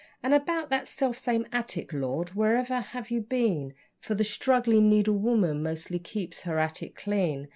(And about that self same attic Lord! wherever have you been? For the struggling needlewoman mostly keeps her attic clean.)